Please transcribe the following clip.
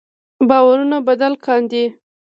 باورونه بدل کاندي.